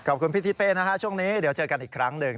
พี่ทิเป้นะฮะช่วงนี้เดี๋ยวเจอกันอีกครั้งหนึ่ง